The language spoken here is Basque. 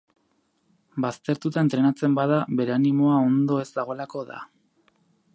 Baztertuta entrenatzen bada, bere animoa ondo ez dagoelako da.